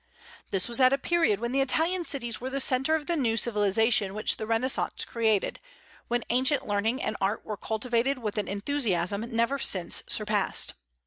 This was at a period when the Italian cities were the centre of the new civilization which the Renaissance created, when ancient learning and art were cultivated with an enthusiasm never since surpassed.